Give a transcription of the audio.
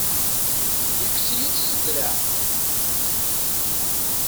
Yekkes-iyi-tt s draɛ.